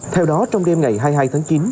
theo đó trong đêm ngày hai mươi hai tháng chín